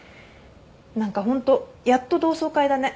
何かホントやっと同窓会だね。